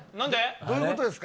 どういうことですか？